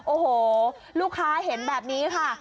โอ้โหลูกค้าเห็นแบบนี้ค่ะ